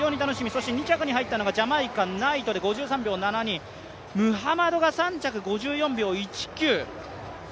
そして２着に入ったのがナイトで５３秒７２ムハマドが３着、５４秒１９。